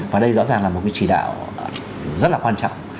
và đây rõ ràng là một cái chỉ đạo rất là quan trọng